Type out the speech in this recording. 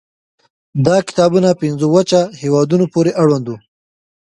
دا کتابونه پنځو وچه هېوادونو پورې اړوند وو.